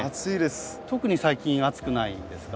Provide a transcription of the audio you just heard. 特に最近暑くないですか？